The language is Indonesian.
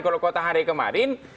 kalau kota hari kemarin